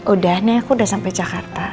udah nih aku udah sampai jakarta